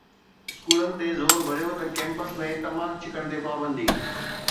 اسڪولن تي زور ڀريو ته ڪيمپس ۾ تماڪ ڇڪڻ تي پابندي